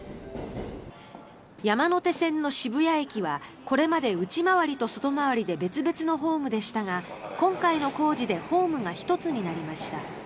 山手線の渋谷駅はこれまで内回りと外回りで別々のホームでしたが今回の工事でホームが１つになりました。